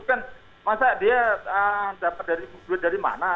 kan masa dia dapat duit dari mana